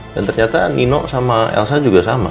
dan ternyata nino sama elsa juga sama